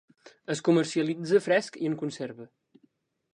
Es comercialitza fresc i en conserva.